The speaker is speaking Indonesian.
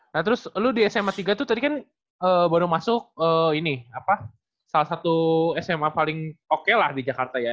nah terus lu di sma tiga tuh tadi kan baru masuk ini apa salah satu sma paling oke lah di jakarta ya